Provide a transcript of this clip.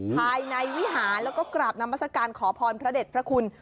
ภายในวิหารแล้วก็กราบนามัศกาลขอพรพระเด็จพระคุณ